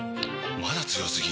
まだ強すぎ？！